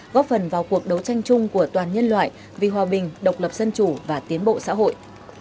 góp phần vào cuộc đấu tranh chung của toàn nhân loại vì hòa bình độc lập dân chủ và tiến bộ xã hội